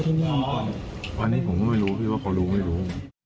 อันนี้ผมก็ไม่รู้พี่ว่าเขารู้ไม่รู้